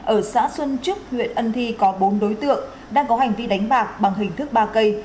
ở xã xuân trước huyện ân thi có bốn đối tượng đang có hành vi đánh bạc bằng hình thức ba cây